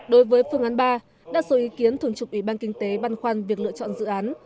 đối với phương án ba đa số ý kiến thường trục ủy ban kinh tế băn khoăn việc lựa chọn dự án